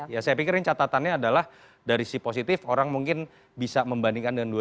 ya saya pikir ini catatannya adalah dari sisi positif orang mungkin bisa membandingkan dengan dua ribu dua